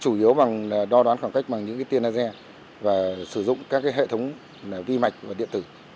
chủ yếu bằng đo đoán khoảng cách bằng những cái tiên laser và sử dụng các cái hệ thống vi mạch và điện tử